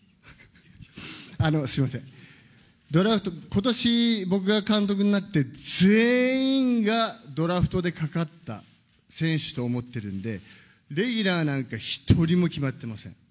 すみません、ドラフト、ことし、僕が監督になって全員がドラフトでかかった選手と思ってるんで、レギュラーなんか一人も決まってません。